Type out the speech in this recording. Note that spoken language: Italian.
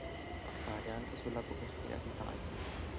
Appare anche sulla copertina di Time.